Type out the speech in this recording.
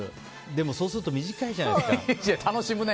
でも、そうすると短いじゃないですか。